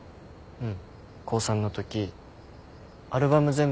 うん？